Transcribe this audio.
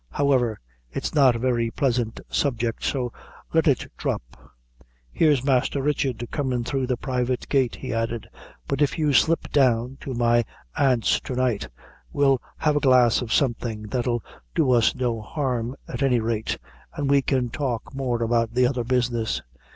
However, it's not a very pleasant subject, so let it dhrop. Here's Masther Richard comin' through the private gate," he added; "but if you slip down to my aunt's to night, we'll have a glass of something that'll do us no harm at any rate, and we can talk more about the other business."